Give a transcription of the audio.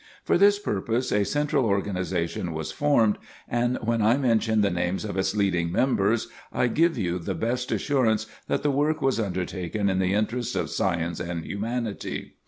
For this purpose a central organization was formed, and when I mention the names of its leading members, I give you the best assurance that the work was undertaken in the interests of science and humanity.